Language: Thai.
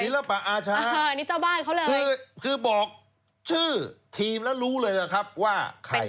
นี่แหละป่าอาชาคือบอกชื่อทีมแล้วรู้เลยแหละครับว่าใคร